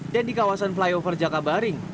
dan di kawasan flyover jakabaring